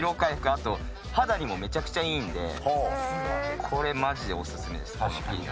あと肌にもめちゃくちゃいいんでこれマジでお薦めです。